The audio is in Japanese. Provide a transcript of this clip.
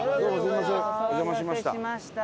お邪魔しました。